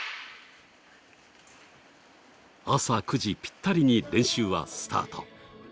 朝９時ぴったりに練習はスタート。